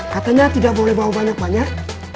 katanya tidak boleh bawa banyak banyak